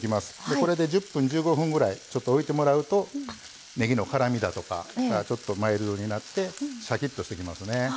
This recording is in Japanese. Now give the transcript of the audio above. これで１０分、１５分ぐらいちょっと置いてもらうとねぎの辛みだとかがちょっとマイルドになってシャキッとしてきますね。